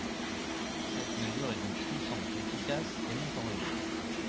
Cette mesure est donc puissante, efficace, et monte en régime.